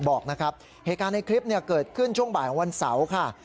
บอกนะครับเหตุการณ์ในคลิปเกิดขึ้นช่วงบ่ายของวันเสาร์ค่ะ